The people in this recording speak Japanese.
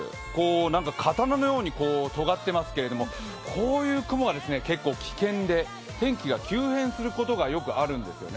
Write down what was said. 何か刀のようにとがってますけれどもこういう雲は結構危険で天気が急変することがよくあるんですよね。